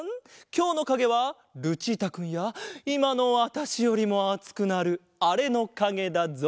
きょうのかげはルチータくんやいまのわたしよりもあつくなるあれのかげだぞ。